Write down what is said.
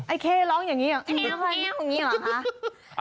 ไอ้เคร้องอย่างนี้หรอแมวอย่างนี้หรอ